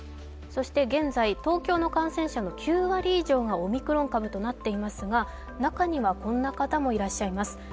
そして現在東京の感染者の９割以上がオミクロン株となっていますが中にはこんな方もいらっしゃいます。